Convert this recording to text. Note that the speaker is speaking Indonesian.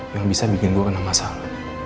yang bisa membuat saya terkena masalah